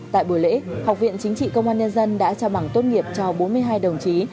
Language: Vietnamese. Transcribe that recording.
tại buổi lễ học viện chính trị công an nhân dân đã trao bằng tốt nghiệp cho bốn mươi hai đồng chí